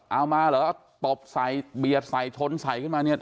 เอามาเหรอตบใส่เบียดใส่ชนใส่ขึ้นมาเนี่ย